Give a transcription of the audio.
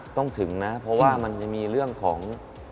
ต้องถึงนะเพราะว่ามันจะมีเรื่องของ